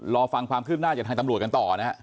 รอฟังความคืบหน้าจากทางตำรวจกันต่อนะฮะ